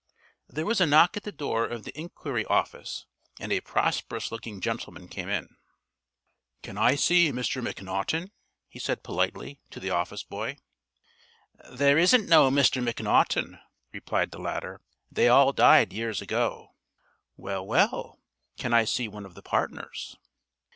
There was a knock at the door of the enquiry office and a prosperous looking gentleman came in. "Can I see Mr. Macnaughton?" he said politely to the office boy. "There isn't no Mr. Macnaughton," replied the latter. "They all died years ago." "Well, well, can I see one of the partners?"